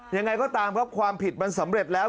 ยังไงก็ตามครับความผิดมันสำเร็จแล้ว